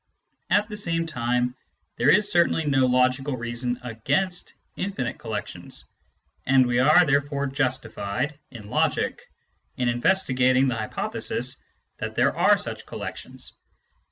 At the same time, there is certainly no logical reason against infinite collections, and we are therefore justified, in logic, in investigating the hypo thesis that there are such collections.